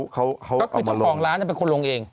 เจ้าของร้านนั้นจะเป็นคนลงเอง